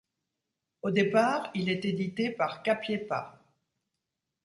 Au départ, il est édité par Capiépa.